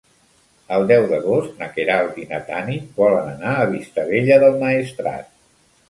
El deu d'agost na Queralt i na Tanit volen anar a Vistabella del Maestrat.